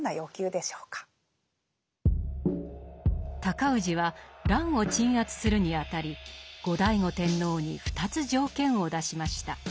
高氏は乱を鎮圧するにあたり後醍醐天皇に２つ条件を出しました。